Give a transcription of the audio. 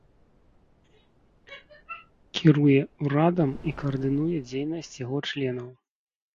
Кіруе урадам і каардынуе дзейнасць яго членаў.